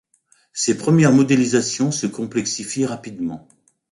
Ces premières modélisations se complexifient rapidement.